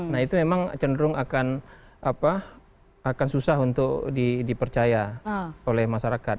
nah itu memang cenderung akan susah untuk dipercaya oleh masyarakat